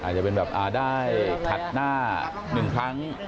อาจจะเป็นแบบได้ขัดหน้า๑ครั้ง